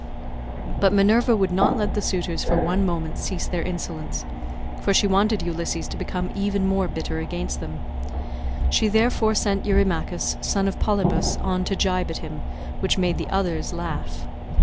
But Minerva would not let the suitors for one moment cease their insolence, for she wanted Ulysses to become even more bitter against them; she therefore set Eurymachus son of Polybus on to gibe at him, which made the others laugh.